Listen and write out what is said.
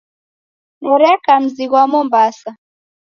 Nereka mzi ghwa Mombasa.